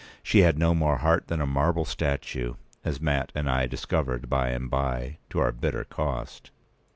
She had no more heart than a marble statue; as Mat and I discovered by and by, to our bitter cost.